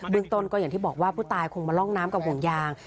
เมืองต้นก็อย่างที่บอกว่าผู้ตายคงมาร่องน้ำกับห่วงยาง